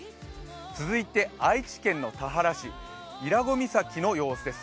続いて、愛知県の田原市、伊良湖岬の様子です。